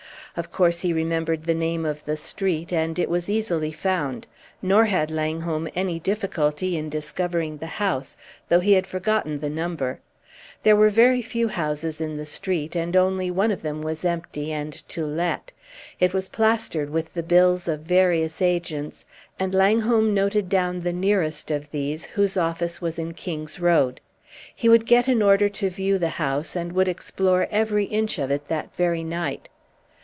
Of course he remembered the name of the street, and it was easily found. Nor had Langholm any difficulty in discovering the house, though he had forgotten the number. There were very few houses in the street, and only one of them was empty and to let. It was plastered with the bills of various agents, and Langholm noted down the nearest of these, whose office was in King's Road. He would get an order to view the house, and would explore every inch of it that very night.